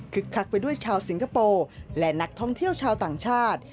คักไปด้วยชาวสิงคโปร์และนักท่องเที่ยวชาวต่างชาติ